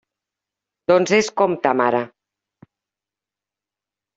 Doncs és com ta mare.